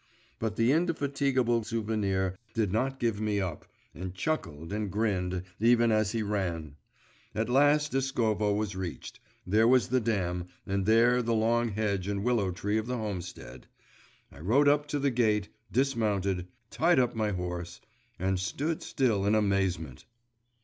But the indefatigable Souvenir did not give me up, and chuckled and grinned, even as he ran. At last, Eskovo was reached there was the dam, and there the long hedge and willow tree of the homestead.… I rode up to the gate, dismounted, tied up my horse, and stood still in amazement.